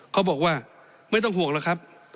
เขาบอกว่าไม่ต้องห่วงหรอกครับ